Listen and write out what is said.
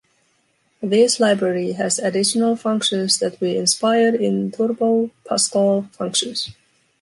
This library has additional functions that were inspired in Turbo Pascal functions.